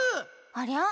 ありゃ？